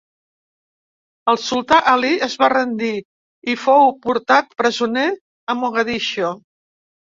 El sultà Ali es va rendir i fou portat presoner a Mogadiscio.